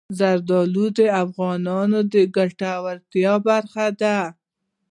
زردالو د افغانانو د ګټورتیا برخه ده.